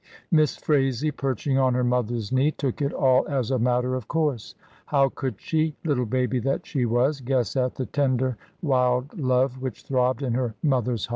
Miss Phraisie, perching on her mother's knee, took it all as a matter of course. How could she, little baby that she was, guess at the tender wild love which throbbed in her mother's Mru Dymond, /. 1 8 274 MRS. DYMOND.